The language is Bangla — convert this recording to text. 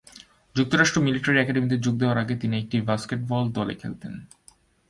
যুক্তরাষ্ট্র মিলিটারি একাডেমীতে যোগ দেওয়ার আগে তিনি একটি বাস্কেটবল দলে খেলতেন।